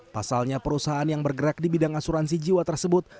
pasalnya perusahaan yang bergerak di bidang asuransi jiwa tersebut